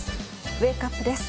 ウェークアップです。